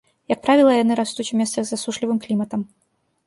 Як правіла, яны растуць у месцах з засушлівым кліматам.